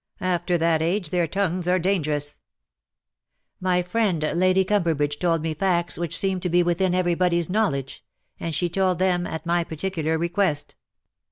After that age their tongues are dangerous.^' '^ My friend Lady Cumberbridge told me facts which seem to be within everybody's knowledge ; and she told them at my particular request.